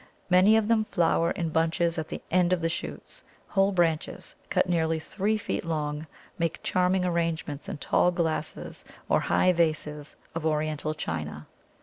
Many of them flower in bunches at the end of the shoots; whole branches, cut nearly three feet long, make charming arrangements in tall glasses or high vases of Oriental china.